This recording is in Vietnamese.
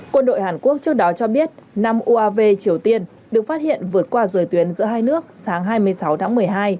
quân đội hàn quốc trước đó cho biết năm uav triều tiên được phát hiện vượt qua rời tuyến giữa hai nước sáng hai mươi sáu tháng một mươi hai